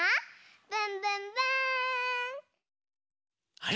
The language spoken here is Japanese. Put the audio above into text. あれ？